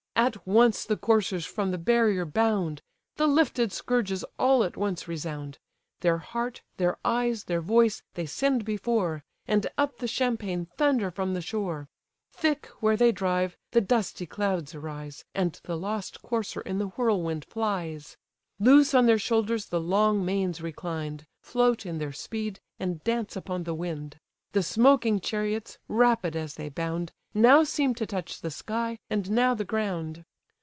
At once the coursers from the barrier bound; The lifted scourges all at once resound; Their heart, their eyes, their voice, they send before; And up the champaign thunder from the shore: Thick, where they drive, the dusty clouds arise, And the lost courser in the whirlwind flies; Loose on their shoulders the long manes reclined, Float in their speed, and dance upon the wind: The smoking chariots, rapid as they bound, Now seem to touch the sky, and now the ground.